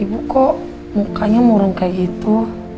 ibu kok mukanya murung kayak gitu